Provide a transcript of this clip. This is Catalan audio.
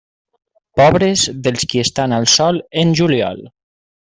Pobres dels qui estan al sol en juliol.